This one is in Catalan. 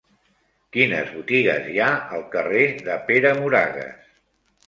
Quines botigues hi ha al carrer de Pere Moragues?